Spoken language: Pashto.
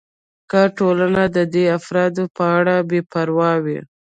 که ټولنه د دې افرادو په اړه بې پروا وي.